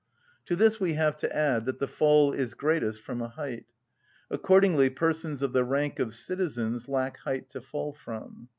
To this we have to add that the fall is greatest from a height. Accordingly persons of the rank of citizens lack height to fall from.